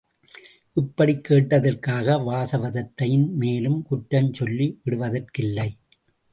இப்படிக் கேட்டதற்காக வாசவதத்தையின் மேலும் குற்றம் சொல்லி விடுவதற்கில்லை!